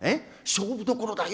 勝負どころだよ。